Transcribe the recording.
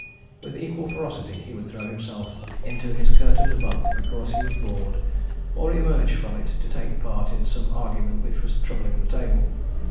With equal ferocity he would throw himself into his curtained bunk because he was bored, or emerge from it to take part in some argument which was troubling the table.